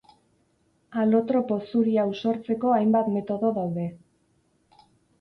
Alotropo zuri hau sortzeko hainbat metodo daude.